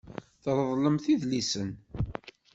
Treḍḍlemt idlisen.